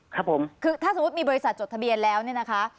ครับผมคือถ้าสมมุติมีบริษัทจดทะเบียนแล้วเนี่ยนะคะ